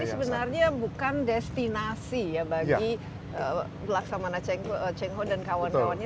jadi sebenarnya bukan destinasi ya bagi pelaksanaan cheng ho dan kawan kawannya